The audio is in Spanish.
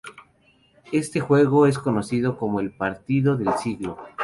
Este juego es conocido como el "Partido del Siglo".